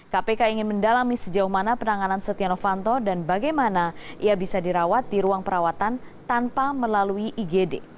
kpk ingin mendalami sejauh mana penanganan setia novanto dan bagaimana ia bisa dirawat di ruang perawatan tanpa melalui igd